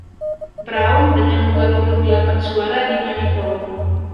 Brown dengan dua puluh delapan suara di Manitou.